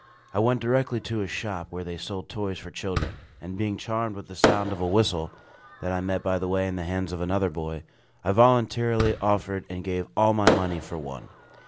I went directly to a shop where they sold toys for children; and being charmed with the sound of a whistle, that I met by the way in the hands of another boy, I voluntarily offered and gave all my money for one.